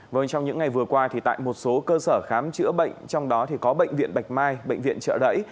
vâng trong những ngày vừa qua thì tại một số cơ sở khám chữa bệnh trong đó thì có bệnh viện bạch mai bệnh viện trợ đẩy